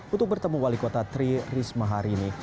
untuk bertemu wali kota tri risma hari ini